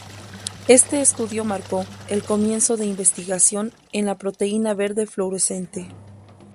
Este estudio marcó el comienzo de investigación en la proteína verde fluorescente.